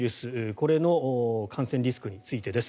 これの感染リスクについてです。